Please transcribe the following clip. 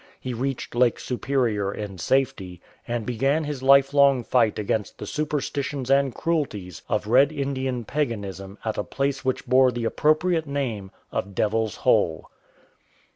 He reached Lake Superior in safety, and began his lifelong fight against the superstitions and cruelties of Red Indian paganism at a place which bore the appropriate name of DeviPs Hole.